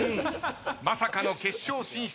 まさかの決勝進出